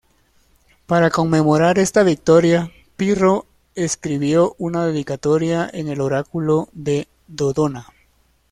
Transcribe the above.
Para conmemorar esta victoria, Pirro escribió una dedicatoria en el oráculo de Dodona.